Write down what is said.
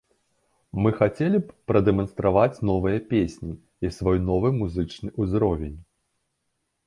Мы хацелі б прадэманстраваць новыя песні і свой новы музычны ўзровень.